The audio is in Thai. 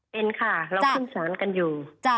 เป็นค่ะเราขึ้นสารกันอยู่